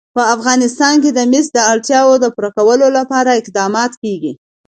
په افغانستان کې د مس د اړتیاوو پوره کولو لپاره اقدامات کېږي.